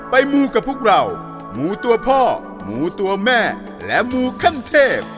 มูกับพวกเราหมูตัวพ่อหมูตัวแม่และหมูขั้นเทพ